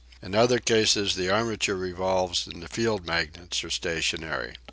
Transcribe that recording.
In other cases the armature revolves and the field magnets are stationary.